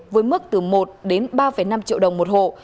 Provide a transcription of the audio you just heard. với mức từ một đến ba năm triệu đồng một hộ